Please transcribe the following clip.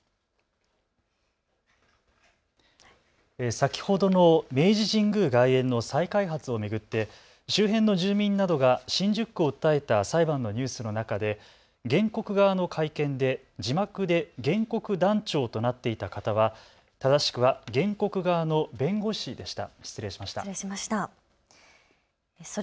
先ほどの明治神宮外苑の再開発を巡って周辺の住民などが新宿区を訴えた裁判のニュースの中で原告側の会見で字幕で原告団長となっていた方は正しくは原告側の弁護士でした。